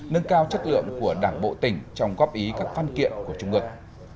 nâng cao chất lượng của đảng bộ tỉnh trong góp ý các phan kiện của trung ước